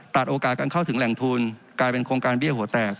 โอกาสการเข้าถึงแหล่งทุนกลายเป็นโครงการเบี้ยหัวแตก